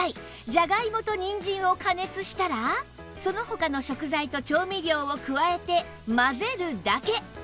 ジャガイモとニンジンを加熱したらその他の食材と調味料を加えて混ぜるだけ！